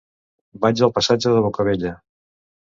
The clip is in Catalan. Vaig al passatge de Bocabella.